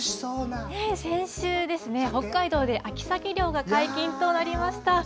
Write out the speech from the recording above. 先週ですね、北海道で秋サケ漁が解禁となりました。